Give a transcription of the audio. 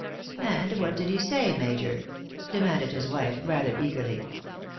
" And what did he say, major ?" demanded his wife, rather eagerly.